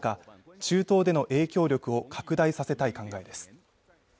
中東での影響力を拡大させたい考えです